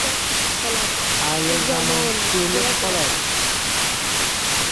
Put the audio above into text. Hali-zamon kelib qoladi.